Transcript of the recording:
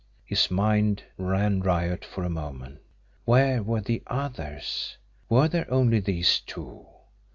His mind ran riot for a moment. Where were the others were there only these two?